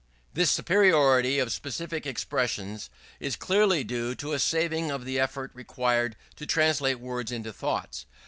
This superiority of specific expressions is clearly due to a saving of the effort required to translate words into thoughts.